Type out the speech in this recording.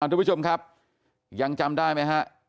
ทุกผู้ชมครับยังจำได้ไหมฮะ